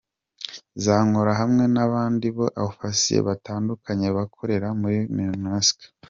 Zankaro hamwe n’abandi ba Ofisiye batandukanye bakorera muri Minusca.